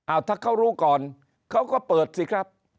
ถ้าเขารู้ก่อนเขาก็เปิดสิครับ